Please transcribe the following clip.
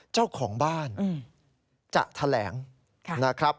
เจ้าของบ้านจะแถลงนะครับ